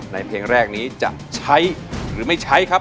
เพลงแรกนี้จะใช้หรือไม่ใช้ครับ